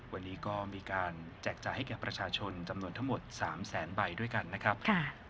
วันนี้ก็มีการแจกจ่ายให้แก่ประชาชนจำนวนทั้งหมด๓แสนใบด้วยกันนะครับ